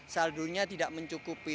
saldunya tidak mencukupi